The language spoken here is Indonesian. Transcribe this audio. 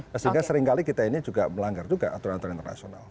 sehingga seringkali kita ini juga melanggar juga aturan aturan internasional